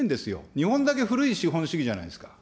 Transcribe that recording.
日本だけ古い資本主義じゃないですか。